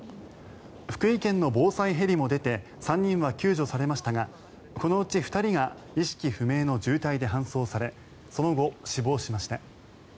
福井県の防災ヘリも出て３人は救助されましたがこのうち２人が意識不明の重体で搬送されその後死亡しました。